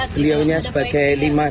beliau juga sebagai penjabat